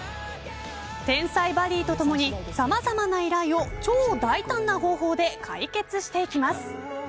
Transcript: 天才バディーとともにさまざまな依頼を超大胆な方法で解決していきます。